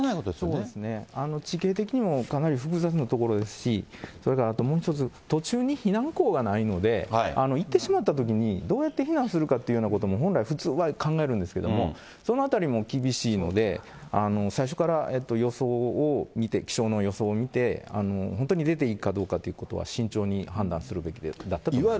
そうですね、地形的にもかなり複雑な所ですし、それからあともう一つ、途中に避難港がないので、行ってしまったときに、どうやって避難するかというようなことも、本来、普通は考えるんですけれども、そのあたりも厳しいので、最初から、予想を見て、気象の予想を見て、本当に出ていいかどうかということは、慎重に判断するべきだったと思います。